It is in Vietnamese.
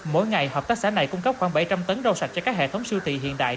mỗi ngày hợp tác xã này cung cấp khoảng bảy trăm linh tấn rau sạch cho các hệ thống siêu thị hiện đại